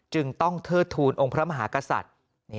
จึงต้องเทิดทูลองค์พระมหากษัตริย์